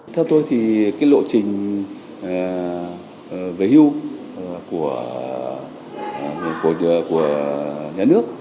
theo tôi thì cái lộ trình về hưu của nhà nước